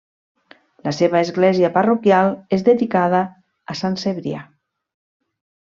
La seva església parroquial és dedicada a Sant Cebrià.